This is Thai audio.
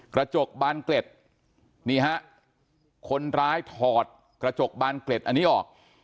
กระจกบานเกล็ดนี่ฮะคนร้ายถอดกระจกบานเกล็ดอันนี้ออก